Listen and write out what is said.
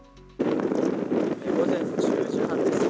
午前１０時半です。